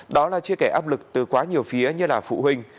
đó là chia kể áp lực từ quá nhiều phía như là phụ huynh